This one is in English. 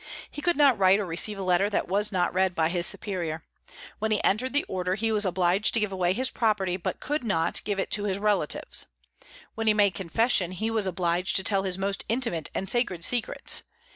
He could not write or receive a letter that was not read by his Superior. When he entered the order, he was obliged to give away his property, but could not give it to his relatives. When he made confession, he was obliged to tell his most intimate and sacred secrets.